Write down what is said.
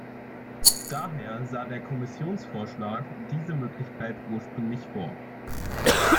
Daher sah der Kommissionsvorschlag diese Möglichkeit ursprünglich vor.